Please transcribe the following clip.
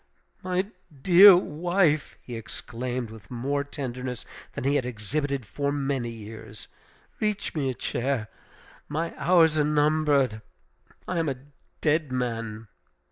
"My dear wife!" he exclaimed with more tenderness than he had exhibited for many years, "Reach me a chair. My hours are numbered. I am a dead man!"